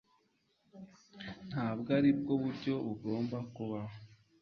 Ntabwo aribwo buryo bugomba kubaho